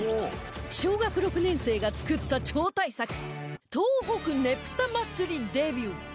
小学６年生が作った超大作東北ねぷた祭りデビュー！